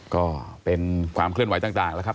ก็เป็นความเคลื่อนไหวต่างแล้วครับ